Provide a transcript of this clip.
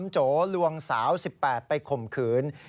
โจลวงสาว๑๘ไปข่มขืน